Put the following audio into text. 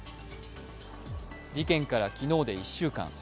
事件から昨日で１週間。